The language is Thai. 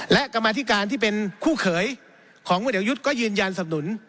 และกรรมาธิการที่เป็นคู่เขยของพลเอกยุทธ์ก็ยืนยันสำนุน